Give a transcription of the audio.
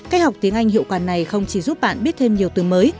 cách học tiếng anh hiệu quả này không chỉ giúp bạn biết thêm nhiều từ mới